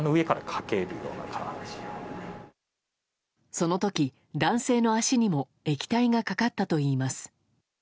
その時、男性の足にも液体がかかったといいます。